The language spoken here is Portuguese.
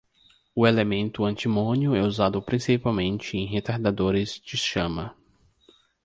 O elemento antimônio é usado principalmente em retardadores de chama.